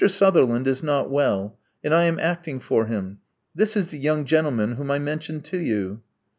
Sutherland is not well; and I am acting for him. This is the young gentleman whom I mentioned to you."